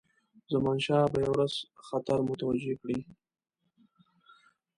زمانشاه به یو ورځ خطر متوجه کړي.